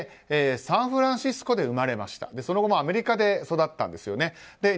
サンフランシスコで生まれてその後もアメリカで育ったんですよね。